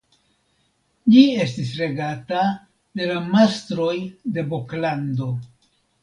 Ĝi estis regata de la mastroj de Boklando.